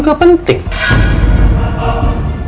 aku dateng di new york